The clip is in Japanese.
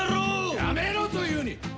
やめろと言うに！